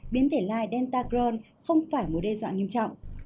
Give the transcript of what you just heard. biến thể lai dentacron không phải một đe dọa nghiêm trọng